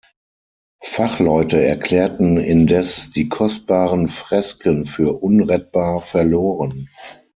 Fachleute erklärten indes die kostbaren Fresken für unrettbar verloren.